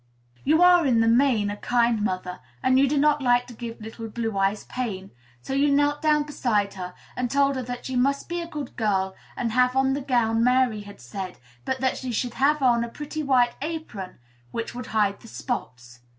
You are in the main a kind mother, and you do not like to give little Blue Eyes pain; so you knelt down beside her, and told her that she must be a good girl, and have on the gown Mary had said, but that she should have on a pretty white apron, which would hide the spots.